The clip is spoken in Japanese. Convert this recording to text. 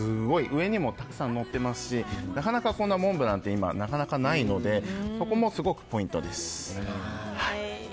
上にもたくさんのっていますしなかなかこんなモンブランってなかなかないのでそこもすごくポイントです。